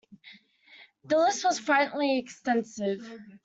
The list was frighteningly extensive.